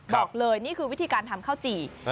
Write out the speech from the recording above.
บอกเลยนี่คือวิธีการทำข้าวจี่